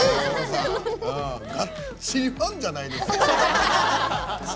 がっちりファンじゃないですか。